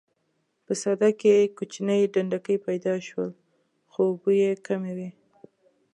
په سده کې کوچني ډنډکي پیدا شول خو اوبه یې کمې وې.